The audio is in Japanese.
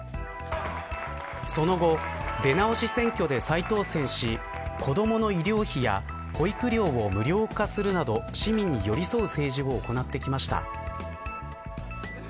その後、出直し選挙で再当選し子どもの医療費や保育料を無料化するなど市民に寄り添う政治を行ってきました。